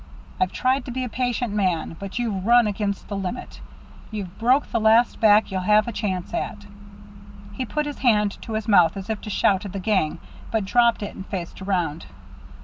I've tried to be a patient man, but you've run against the limit. You've broke the last back you'll have a chance at." He put his hand to his mouth as if to shout at the gang, but dropped it and faced around.